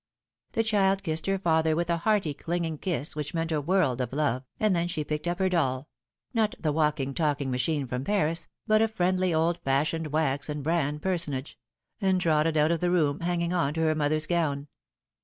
The child kissed her father with a hearty, clinging kiss which meant a world of love, and then she picked up her doll not the walking talking machine from Paris, but a friendly, old fashioned wax and bran personage and trotted out of the room, hanging on to her mother's gown.